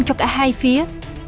cho cả hai phía